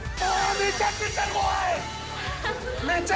めちゃくちゃ怖い。